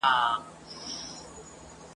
هغه بل د پیر په نوم وهي جېبونه ..